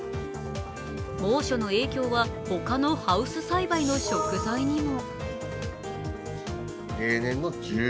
猛暑の影響はほかのハウス栽培の食材にも。